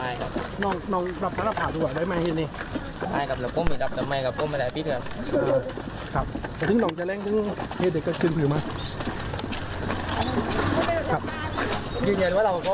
อย่างเงินว่าเราก็พบตมประสุนของเรา